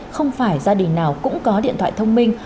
không phải gia đình nào cũng có điện thoại thông minh